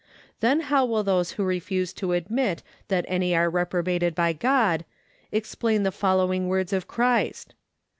Then how will those who refuse to admit that any are reprobated by God, explain the following words of Christ?